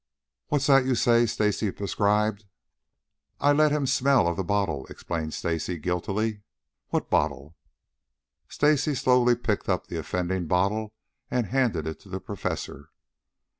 "What's that you say? Stacy prescribed " "I I let him smell of the bottle," explained Stacy guiltily. "What bottle?" Stacy slowly picked up the offending bottle and handed it to the Professor.